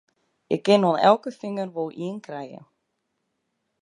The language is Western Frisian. Ik kin oan elke finger wol ien krije!